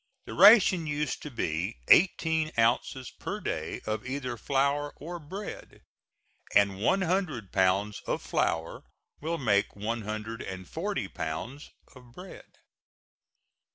The ration used to be eighteen ounces per day of either flour or bread; and one hundred pounds of flour will make one hundred and forty pounds of bread.